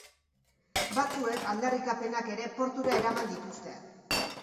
Batzuek aldarrikapenak ere portura eraman dituzte.